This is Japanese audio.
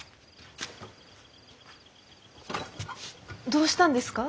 どうしたんですか？